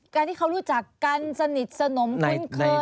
การที่เขารู้จักกันสนิทสนมคุ้นเคย